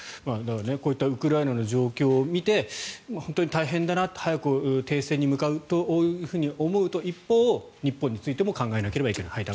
こういったウクライナの状況を見て本当に大変だな早く停戦に向かうと思う一方日本についても考えなきゃいけないと。